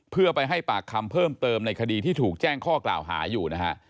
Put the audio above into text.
เพื่อไปให้ปากคำเพิ่มเติมในคดีที่ถูกแจ้งข้อกล่าวหาอยู่นะฮะ